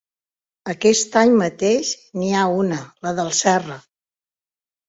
Aquest any mateix n'hi ha una, la del Serra.